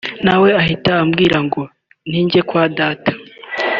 nawe ahita ambwira ngo ninjye kwa Data